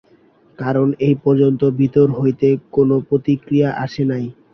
কারণ এ পর্যন্ত ভিতর হইতে কোন প্রতিক্রিয়া আসে নাই।